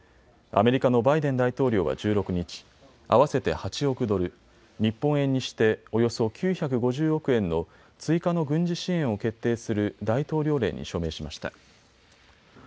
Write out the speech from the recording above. アメリカのバイデン大統領は１６日、合わせて８億ドル、日本円にしておよそ９５０億円の追加の軍事支援を決定する大統領令に署名しました。